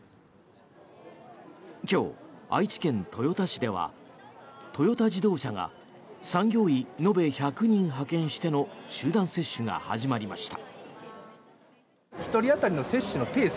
今日、愛知県豊田市ではトヨタ自動車が産業医延べ１００人派遣しての集団接種が始まりました。